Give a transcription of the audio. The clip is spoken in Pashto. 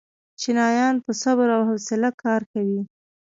چینایان په صبر او حوصله کار کوي.